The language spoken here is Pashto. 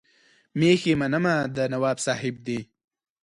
مېښې منمه د نواب صاحب دي.